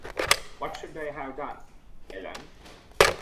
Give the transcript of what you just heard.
What should I have done, Ellen?